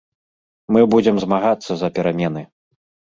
Мы будзем змагацца за перамены!